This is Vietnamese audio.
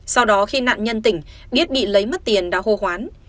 sau đó khi nạn nhân tỉnh biết bị lấy mất tiền đã hô hoán